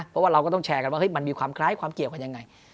เพราะว่าเราก็ต้องแชร์กันว่ามันมีความคล้ายความเกี่ยวกันยังไง